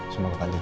sumpah ke kantin